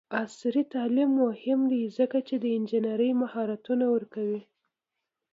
عصري تعلیم مهم دی ځکه چې د انجینرۍ مهارتونه ورکوي.